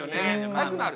かゆくなる。